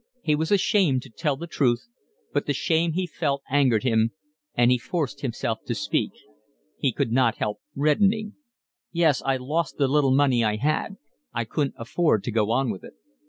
He was ashamed to tell the truth, but the shame he felt angered him, and he forced himself to speak. He could not help reddening. "Yes, I lost the little money I had. I couldn't afford to go on with it."